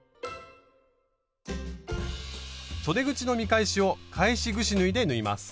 そで口の見返しを返しぐし縫いで縫います。